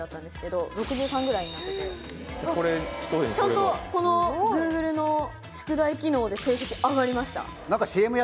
ちゃんとこのＧｏｏｇｌｅの宿題機能で成績上がりました